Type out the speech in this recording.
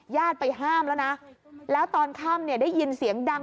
ญาติไปห้ามแล้วนะแล้วตอนข้ามได้ยินเสียงดัง